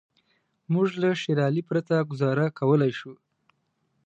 موږ له شېر علي پرته ګوزاره کولای شو.